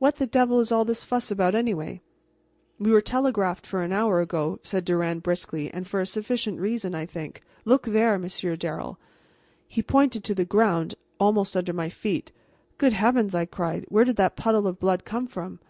What the devil is all this fuss about, anyway?" "We were telegraphed for an hour ago," said Durand briskly, "and for a sufficient reason, I think. Look there, Monsieur Darrel!" He pointed to the ground almost under my feet. "Good heavens!" I cried, "where did that puddle of blood come from?"